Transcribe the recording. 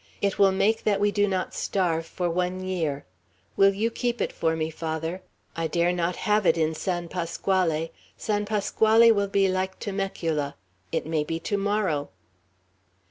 It will make that we do not starve for one year. Will you keep it for me, Father? I dare not have it in San Pasquale. San Pasquale will be like Temecula, it may be to morrow."